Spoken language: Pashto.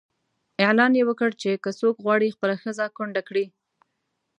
اعلان یې وکړ چې که څوک غواړي خپله ښځه کونډه کړي.